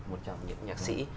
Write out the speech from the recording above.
một trong những nhạc sĩ